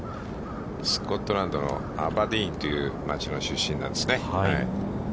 スコットランドのアバディーンという町の出身なんですね。